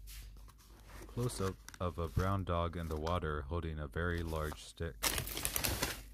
closeup of a brown dog in the water holding a very large stick.